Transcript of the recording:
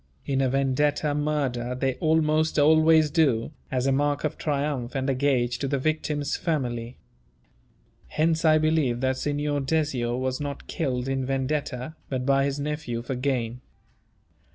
In a Vendetta murder they almost always do, as a mark of triumph and a gage to the victim's family. Hence I believed that Signor Dezio was not killed in Vendetta, but by his nephew for gain.